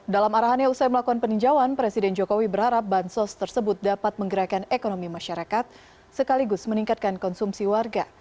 dalam arahannya usai melakukan peninjauan presiden jokowi berharap bansos tersebut dapat menggerakkan ekonomi masyarakat sekaligus meningkatkan konsumsi warga